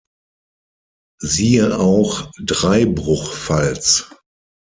Siehe auch: Drei-Bruch-Falz